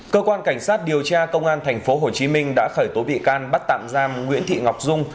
cơ quan cảnh sát điều tra công an tp hcm đã khởi tố bị can bắt tạm giam nguyễn thị ngọc dung